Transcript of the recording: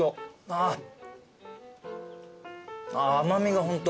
ああ甘味がホント。